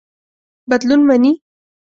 بدلون مني.